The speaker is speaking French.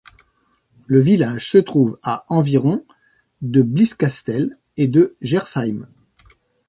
Le village se trouve à environ de Blieskastel et de Gersheim.